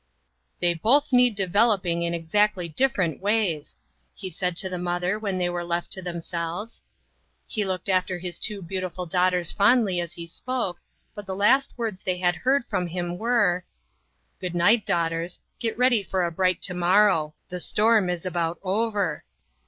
" They both need developing in exactly different ways," he said to the mother when they were left to themselves. He looked after his two beautiful girls fondly as he spoke, but the last words they had heard from him were :" Good night, daughters ! Get ready for a bright to morrow. The storm is about over."